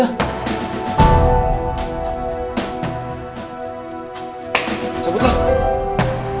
sampai jumpa lagi